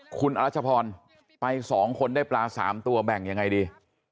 คุณอรัชพรไป๒คนได้ปลา๓ตัวแบ่งยังไงดี